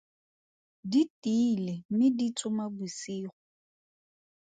Di tiile mme di tsoma bosigo.